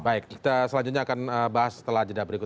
baik kita selanjutnya akan bahas setelah jeda berikut